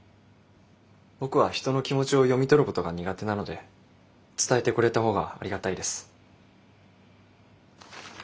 僕は人の気持ちを読み取ることが苦手なので伝えてくれた方がありがたいです。